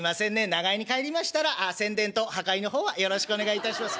長屋に帰りましたら宣伝と破壊の方はよろしくお願いいたします」。